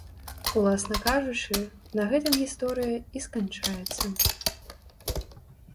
Уласна кажучы, на гэтым гісторыя і сканчаецца.